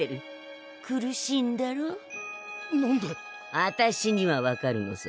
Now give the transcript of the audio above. あたしには分かるのさ。